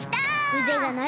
うでがなる！